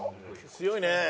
強いね。